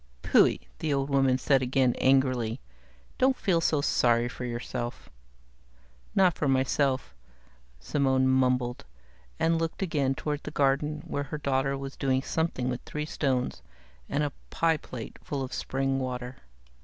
"Phui," the old woman said again, angrily. "Don't feel so sorry for yourself." "Not for myself," Simone mumbled, and looked again toward the garden where her daughter was doing something with three stones and a pie plate full of spring water.